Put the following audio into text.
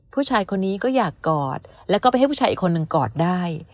ผู้ชายคนนี้ก็อยากกอดแล้วก็ไปให้ผู้ชายอีกคนหนึ่งกอดได้